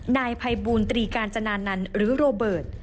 นายภัยบูลตรีกาญจนานันต์หรือโรเบิร์ต